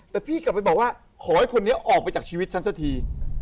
แต่พี่กลับไปบอกว่าขอให้คนนี้ออกไปจากชีวิตฉันสักที